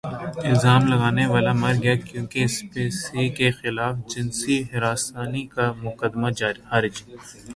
الزام لگانے والا مر گیا کیون اسپیسی کے خلاف جنسی ہراسانی کا مقدمہ خارج